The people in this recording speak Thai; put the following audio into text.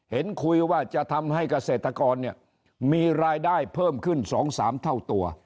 เห็นคุยว่าจะทำให้เกษตรกรเนี่ยมีรายได้เพิ่มขึ้น๒๓เท่าตัว